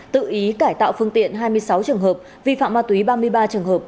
tự ý cải tạo phương tiện hai mươi sáu trường hợp vi phạm ma túy ba mươi ba trường hợp